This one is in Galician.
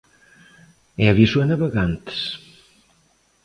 E aviso a navegantes.